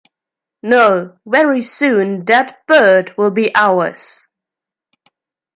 no, very soon that bird will be ours